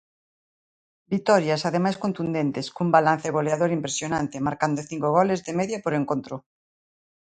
Vitorias ademais contundentes, cun balance goleador impresionante, marcando cinco goles de media por encontro.